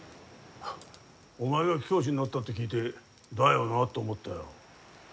お前が教師になったって聞いてだよなと思ったよ